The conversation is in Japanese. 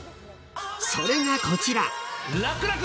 ［それがこちら］